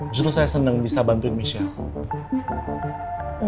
justru saya senang bisa bantuin michelle